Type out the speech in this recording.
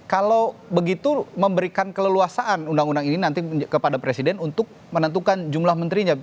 kalau begitu memberikan keleluasaan undang undang ini nanti kepada presiden untuk menentukan jumlah menterinya